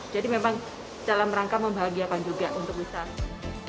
jadi memang dalam rangka membahagiakan juga untuk usaha